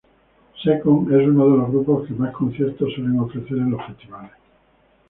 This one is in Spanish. Second es uno de los grupos que más conciertos suelen ofrecer en los festivales.